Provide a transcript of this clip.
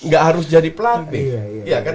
gak harus jadi pelatih